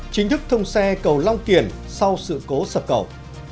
chính thức thông xe cầu long kiển sau sự cố sập cầu